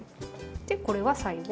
でこれは最後。